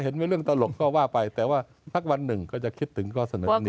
เห็นเมื่อเรื่องตลกก็ว่าไปแต่ว่าปักวัน๑ก็จะคิดถึงก็